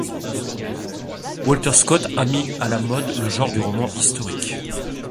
Walter Scott a mis à la mode le genre du roman historique.